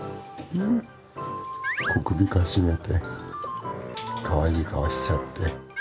小首かしげてかわいい顔しちゃって。